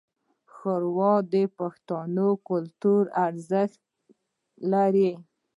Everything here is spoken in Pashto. ښوروا د پښتني کلتور ارزښت لري.